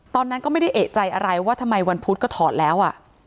ตอนนั้นก็ไม่ได้เอกใจอะไรว่าทำไมวันพุธก็ถอดแล้ว